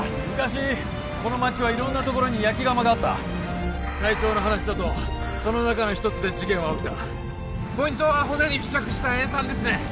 昔この町は色んなところに焼き窯があった隊長の話だとその中の一つで事件は起きたポイントは骨に付着した塩酸ですね